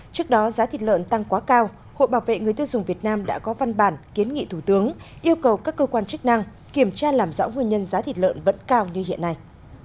trước đó giá thịt lợn tăng quá cao hội bảo vệ người tiêu dùng việt nam đã có văn bản kiến nghị thủ tướng yêu cầu các cơ quan chức năng kiểm tra làm rõ nguyên nhân giá thịt lợn vẫn cao như hiện nay